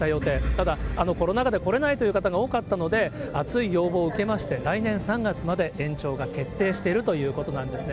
ただコロナ禍で来れないという方が多かったので、熱い要望を受けまして、来年３月まで延長が決定しているということなんですね。